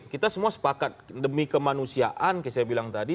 kita semua sepakat demi kemanusiaan kayak saya bilang tadi